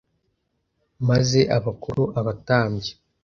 maze abakuru abatambyi